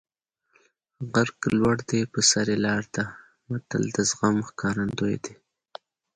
غر که لوړ دی په سر یې لاره ده متل د زغم ښکارندوی دی